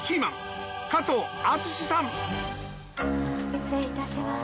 失礼いたします。